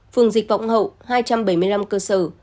phường dịch vọng hậu hai trăm bảy mươi năm cơ sở